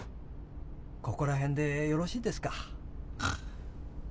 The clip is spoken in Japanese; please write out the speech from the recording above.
ここら辺でよろしいですか？